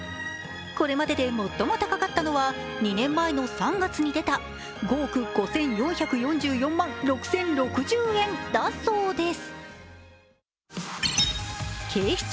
これまでで最も高かったのは２年前の３月に出た５億５４４４万６０６０円だそうです。